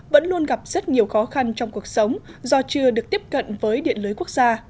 vẫn luôn gặp rất nhiều khó khăn trong cuộc sống do chưa được tiếp cận với điện lưới quốc gia